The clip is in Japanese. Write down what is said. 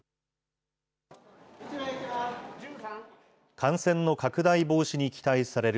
感染の拡大防止に期待される